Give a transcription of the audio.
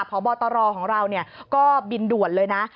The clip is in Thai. พบตรของเราก็บินด่วนเลยนะ